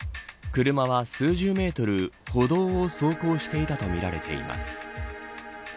車は、数十メートル歩道を走行していたとみられています。